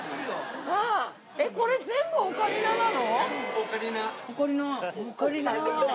えっこれ全部オカリナなの？